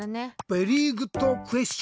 ベリーグッドクエスチョン！